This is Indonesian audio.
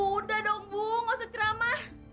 udah dong bu gak usah ceramah